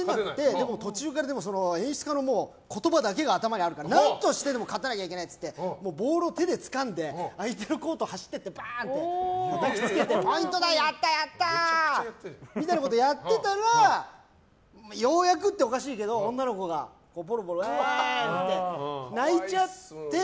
でも、途中から演出家の言葉だけが頭にあるから何としてでも勝たなきゃいけないってボールを手でつかんで相手のコートに走っていってボールを投げつけてポイントだ、やったー！みたいなことをやってたらようやくっておかしいけど女の子がポロポロ、えーんって泣いちゃって。